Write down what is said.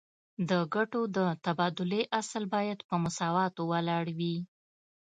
د ګټو د تبادلې اصل باید په مساواتو ولاړ وي